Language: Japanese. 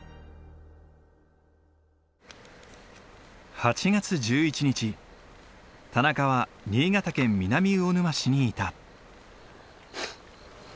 ８月１１日田中は新潟県南魚沼市にいた。